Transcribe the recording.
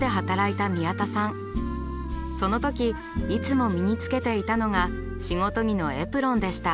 そのときいつも身につけていたのが仕事着のエプロンでした。